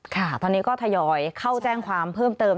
ค่ะตอนนี้ก็ทยอยเข้าแจ้งความเพิ่มเติม